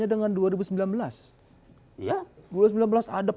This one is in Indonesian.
yang in university najat